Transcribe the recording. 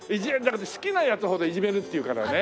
好きなやつほどいじめるっていうからね。